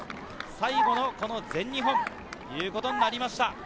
最後の全日本ということになりました。